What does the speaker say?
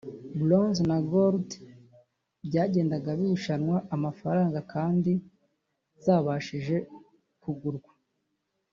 Blonze na Gold byagendaga birushanwa amafaranga kandi zabashije kugurwa